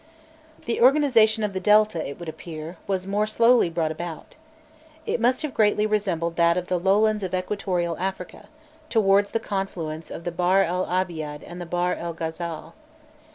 The organization of the Delta, it would appear, was more slowly brought about. It must have greatly resembled that of the lowlands of Equatorial Africa, towards the confluence of the Bahr el Abiad and the Bahr el Ghazâl.